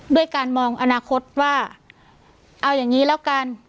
ด้วยการมองอนาคตว่าเอาอย่างนี้แล้วกัน